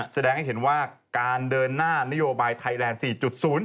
แสดงให้เห็นว่าการเดินหน้านโยบายไทยแลนด์๔๐